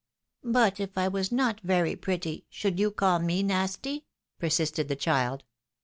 " But if I was not very pretty, should you call me nasty ?" persisted the child.